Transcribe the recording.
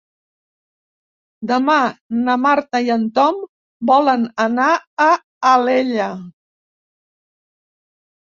Demà na Marta i en Tom volen anar a Alella.